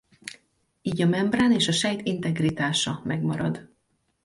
Így a membrán és a sejt integritása megmarad.